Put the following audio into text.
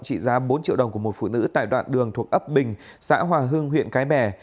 trị giá bốn triệu đồng của một phụ nữ tại đoạn đường thuộc ấp bình xã hòa hương huyện cái bè